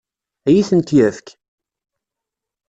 Ad iyi-tent-yefk?